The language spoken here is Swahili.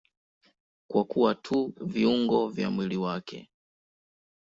Kwa kuwa tu viungo vya mwili wake.